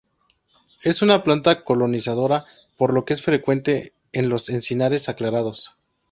Es una planta colonizadora, por lo que es frecuente en los encinares aclarados.